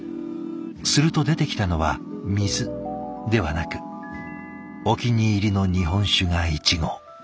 すると出てきたのは水ではなくお気に入りの日本酒が１合。